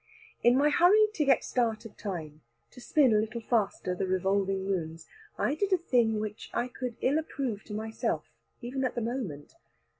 In my hurry to get start of time, to spin a little faster the revolving moons, I did a thing which I could ill approve to myself, even at the moment.